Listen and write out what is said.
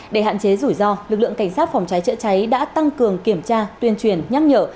để hạn chế rủi ro lực lượng cảnh sát phòng cháy chữa cháy đã tăng cường kiểm tra tuyên truyền nhắc nhở